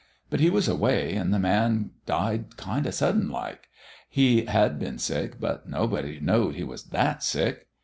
But He was away and the man died kind of sudden like. He had been sick, but nobody knowed he was that sick.